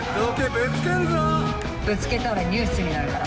ぶつけたらニュースになるから。